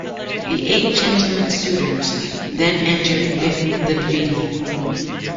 The eight gentleman suitors then enter with The Beauty.